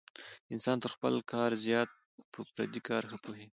انسان تر خپل کار زیات په پردي کار ښه پوهېږي.